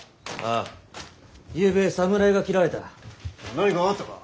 何か分かったか？